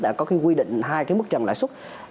đã có cái quy định hai cái mức trần lãi suất